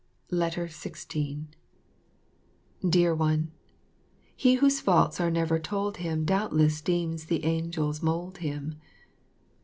16 Dear One, "He whose faults are never told him Doubtless deems the angels mould him."